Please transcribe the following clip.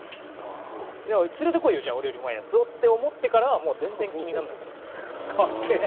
「連れてこいよじゃあ俺よりうまいヤツを」って思ってからは全然気にならなくなって。かっけえ！